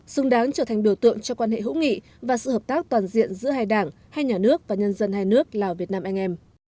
xứng đáng trở thành biểu tượng cho quan hệ hữu nghị và sự hợp tác toàn diện giữa hai đảng hai nhà nước và nhân dân hai nước lào việt nam anh em